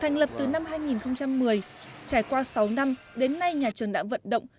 năm hai nghìn một mươi trải qua sáu năm đến nay nhà trường đã vận động